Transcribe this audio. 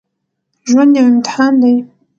ژوند يو امتحان دی